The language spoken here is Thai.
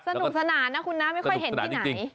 สนุกสนานนะคุณนะไม่ค่อยเห็นที่ไหน